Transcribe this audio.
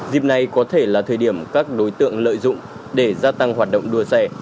dịp này có thể là thời điểm các đối tượng lợi dụng để gia tăng hoạt động đua xe